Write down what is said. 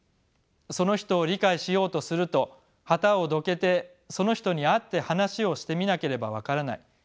その人を理解しようとすると旗をどけてその人に会って話をしてみなければ分からない。